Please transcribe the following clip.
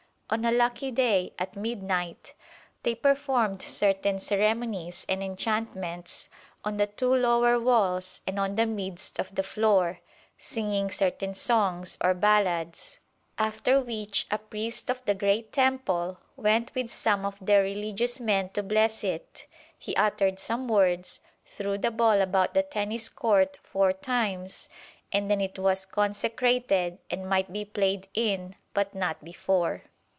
On a lucky day, at midnight, they perform'd certain ceremonies and enchantments on the two lower walls and on the midst of the floor, singing certain songs, or ballads; after which a priest of the great temple went with some of their religious men to bless it; he uttered some words, threw the ball about the Tennis Court four times, and then it was consecrated and might be play'd in, but not before.